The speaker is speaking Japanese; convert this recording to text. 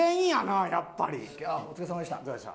あっお疲れさまでした。